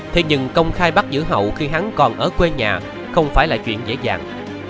thế nhưng công khai bắt giữ hậu khi hắn còn ở quê nhà không phải là chuyện dễ dàng